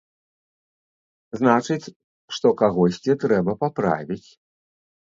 Значыць, што кагосьці трэба паправіць.